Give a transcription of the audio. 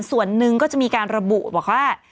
ส่วนหนึ่งก็จะมีการระบุบอกว่า